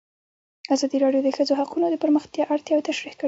ازادي راډیو د د ښځو حقونه د پراختیا اړتیاوې تشریح کړي.